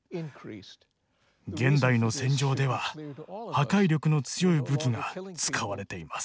現代の戦場では破壊力の強い武器が使われています。